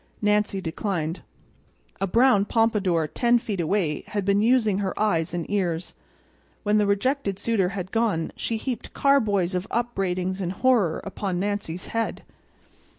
Nancy declined. A brown pompadour ten feet away had been using her eyes and ears. When the rejected suitor had gone she heaped carboys of upbraidings and horror upon Nancy's head.